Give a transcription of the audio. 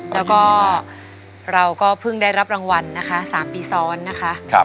แล้วก็เราก็เพิ่งได้รับรางวัลนะคะ๓ปีซ้อนนะคะ